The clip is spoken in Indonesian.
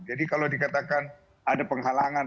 jadi kalau dikatakan ada penghalangan